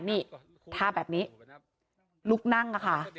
นี่ท่าแบบนี้ลุกนั่งค่ะ